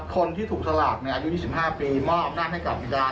คนที่ถูกกฎสลับในอายุ๒๕ปีม่ออำนาจให้กับวิจารณ์